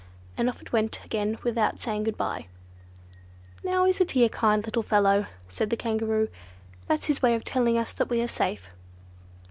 and off it went again without saying good bye. "Now isn't he a kind little fellow?" said the Kangaroo. "That's his way of telling us that we are safe."